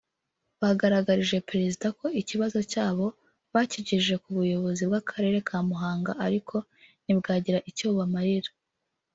Bagaragarije Perezida ko ikibazo cyabo bakigejeje ku buyobozi bw’Akarere ka Muhanga ariko ntibwagira icyo bubamarira